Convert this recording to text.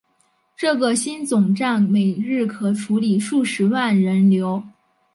这个新总站每日可处理数十万人流。